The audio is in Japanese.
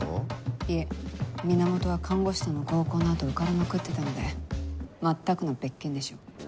いえ源は看護師との合コンの後浮かれまくってたので全くの別件でしょう。